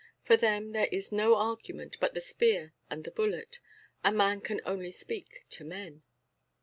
For them there is no argument but the spear and the bullet. A man can only speak to men.